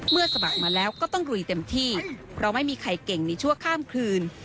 สมัครมาแล้วก็ต้องลุยเต็มที่เพราะไม่มีใครเก่งในชั่วข้ามคืน